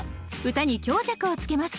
歌に強弱をつけます。